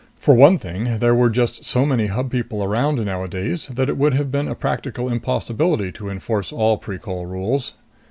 For one thing, there were just so many Hub people around nowadays that it would have been a practical impossibility to enforce all Precol rules.